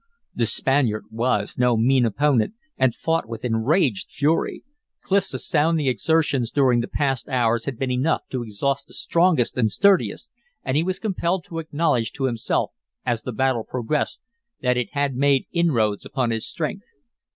The Spaniard was no mean opponent, and fought with enraged fury. Clif's astounding exertions during the past hours had been enough to exhaust the strongest and sturdiest, and he was compelled to acknowledge to himself, as the battle progressed, that it had made inroads upon his strength.